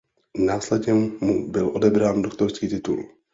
Následně mu byl odebrán doktorský titul.